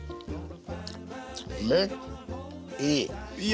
めっいい。